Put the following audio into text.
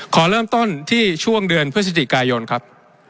ขอเริ่มต้นที่ช่วงเดือนพฤศจิกายนครับ